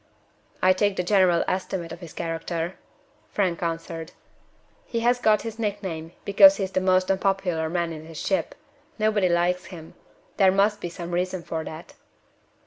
"I take the general estimate of his character," Frank answered. "He has got his nickname because he is the most unpopular man in his ship. Nobody likes him there must be some reason for that."